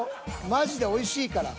マジでおいしいから。